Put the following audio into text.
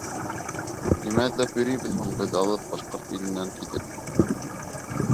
Нимә эҙләп йөрөйбөҙ һуң беҙ алыҫ башҡорт иленән килеп?